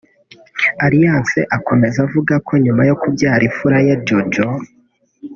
Alliance akomeza avuga ko nyuma yo kubyara imfura ye Jojo